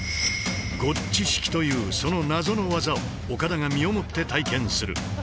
ゴッチ式というその謎の技を岡田が身をもって体験する。